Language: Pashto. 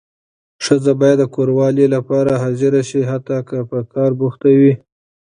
ښځه باید د کوروالې لپاره حاضره شي حتی که په کار بوخته وي.